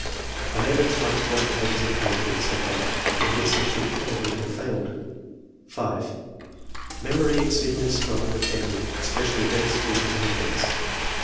I never tried to learn pages of poetry, &c.; in this I should probably have failed," 5. Memory exceedingly strong and retentive, especially of dates, figures and events.